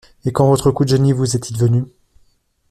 Et quand votre coup de génie vous est-il venu?